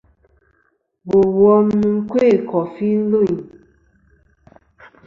Bò wom nɨ̀n kœ̂ kòfi lvîn.